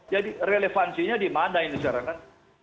jadi relevansinya di mana ini sekarang kan